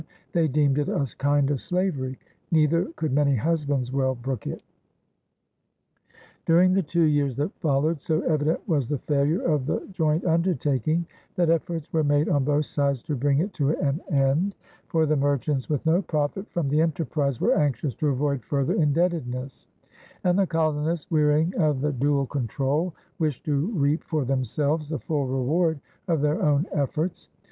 they deemd it a kind of slaverie, neither could many husbands well brooke it. During the two years that followed, so evident was the failure of the joint undertaking that efforts were made on both sides to bring it to an end; for the merchants, with no profit from the enterprise, were anxious to avoid further indebtedness; and the colonists, wearying of the dual control, wished to reap for themselves the full reward of their own efforts.